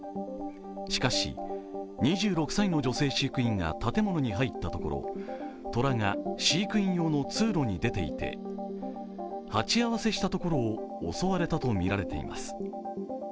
しかし、２６歳の女性飼育員が建物に入ったところ、虎が飼育員用の通路に出ていて鉢合わせしたところを襲われたとみられています。